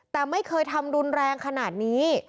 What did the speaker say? แต่ไม่เคยทำรุนแรงขนาดนี้